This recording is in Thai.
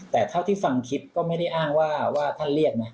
แต่เท่าที่ฟังคลิปก็ไม่ได้อ้างว่าท่านเรียกนะ